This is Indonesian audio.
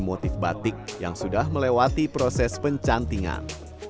mereka juga memiliki motif batik yang sudah melewati proses pencantingan